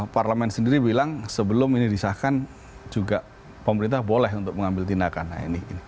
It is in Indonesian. parlemen sendiri bilang sebelum ini disahkan juga pemerintah boleh untuk mengambil tindakan